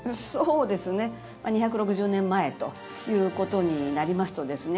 ２６０年前ということになりますとですね